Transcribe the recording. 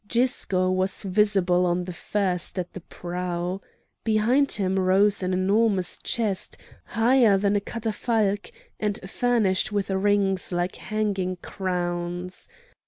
Gisco was visible on the first at the prow. Behind him rose an enormous chest, higher than a catafalque, and furnished with rings like hanging crowns.